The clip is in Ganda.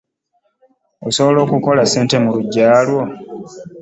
Osobola okukola ssente mu luggya lwo.